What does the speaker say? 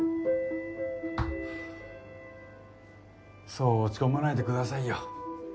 そう落ち込まないでくださいよ。